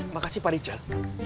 makasih pak rijal